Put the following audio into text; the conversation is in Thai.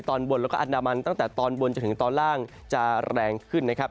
ตอนบนแล้วก็อันดามันตั้งแต่ตอนบนจนถึงตอนล่างจะแรงขึ้นนะครับ